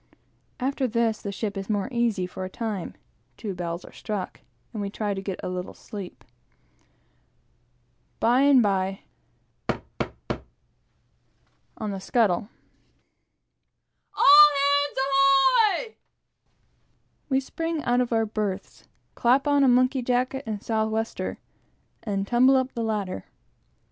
After this, the ship is more easy for a time; two bells are struck, and we try to get a little sleep. By and by, bang, bang, bang, on the scuttle "All ha a ands, a ho o y!" We spring out of our berths, clap on a monkey jacket and southwester, and tumble up the ladder.